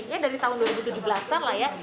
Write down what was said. ya dari tahun dua ribu tujuh belas an lah ya